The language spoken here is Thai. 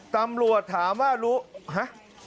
ตำรวจถามว่ารู้ฮะ